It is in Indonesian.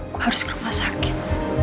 kok harus ke rumah sakit